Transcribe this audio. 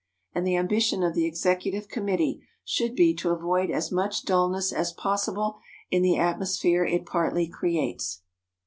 And the ambition of the executive committee should be to avoid as much dulness as possible in the atmosphere it partly creates.